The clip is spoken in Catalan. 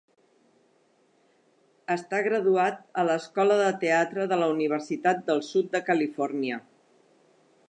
Està graduat a l'Escola de Teatre de la Universitat del Sud de Califòrnia.